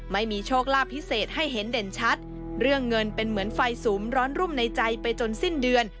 ไม่มีโชคลาภพิเศษให้เห็นเด่นชัดเรื่องเงินเป็นเหมือนไฟสูงร้อนรุ่มในใจไปจนสิ้นเดือน